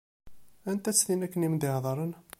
Anta-tt tin akken i m-d-iheddṛen?